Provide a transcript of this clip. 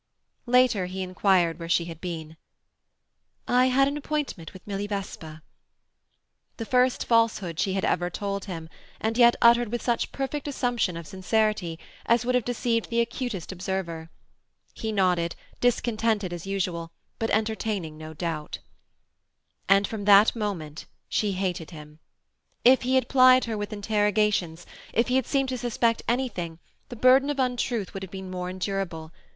Later, he inquired where she had been. "I had an appointment with Milly Vesper." The first falsehood she had ever told him, and yet uttered with such perfect assumption of sincerity as would have deceived the acutest observer. He nodded, discontented as usual, but entertaining no doubt. And from that moment she hated him. If he had plied her with interrogations, if he had seemed to suspect anything, the burden of untruth would have been more endurable.